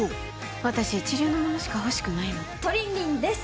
私一流のものしか欲しくないのトリンリンです